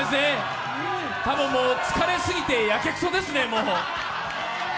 たぶん疲れすぎて、やけくそですね、もう。